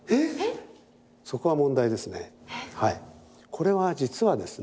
これは実はですね